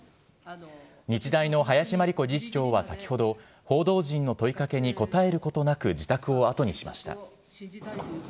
日大の林真理子理事長は先ほど、報道陣の問いかけに答えることなく自宅を後にしました。